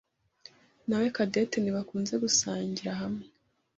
nawe Cadette ntibakunze gusangira hamwe.